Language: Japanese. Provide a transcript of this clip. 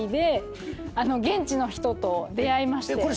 現地の人と出会いまして。